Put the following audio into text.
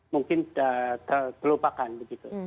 mungkin telupakan begitu